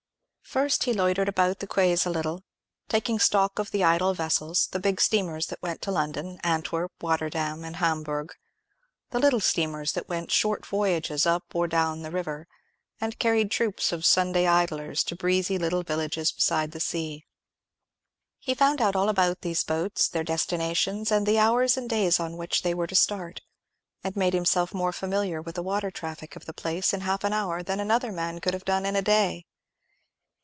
First he loitered about the quays a little, taking stock of the idle vessels, the big steamers that went to London, Antwerp, Rotterdam, and Hamburg—the little steamers that went short voyages up or down the river, and carried troops of Sunday idlers to breezy little villages beside the sea. He found out all about these boats, their destination, and the hours and days on which they were to start, and made himself more familiar with the water traffic of the place in half an hour than another man could have done in a day.